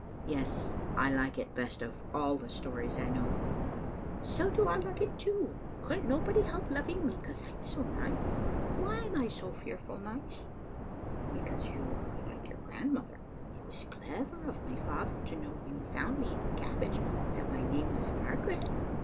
"Yes; I like it best of all the stories I know." "So do I like it, too. Couldn't nobody help loving me, 'cause I'm so nice? Why am I so fearful nice?" " Because you are like your grandmother." " It was clever of my father to know when he found me in the cabbage that my name was Margaret.